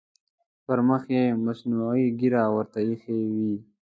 پر مخ یې مصنوعي ږیره ورته اېښې وي.